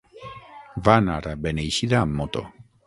Va anar a Beneixida amb moto.